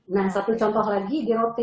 nah satu contoh lagi di rote